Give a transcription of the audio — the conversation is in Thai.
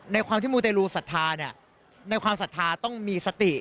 ในความที่มูตรรูปศัฒนาในความศัฒนาต้องมีสติ